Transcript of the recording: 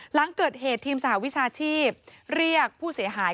หลังเกิดเหตุทีมสหวิชาชีพเรียกผู้เสียหาย